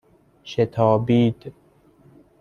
شتابید